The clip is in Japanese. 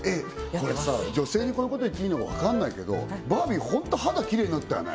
これさ女性にこういうこと言っていいのかわかんないけどバービーホント肌きれいになったよね？